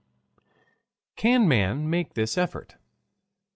Can Man Make this Effort?